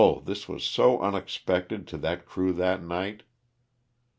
this was so unexpected to that crew that night.